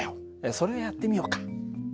それをやってみようか。